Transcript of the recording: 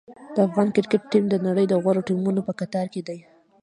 د افغان کرکټ ټیم د نړۍ د غوره ټیمونو په کتار کې دی.